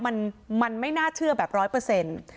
มันมันไม่น่าเชื่อแบบร้อยเปอร์เซ็นต์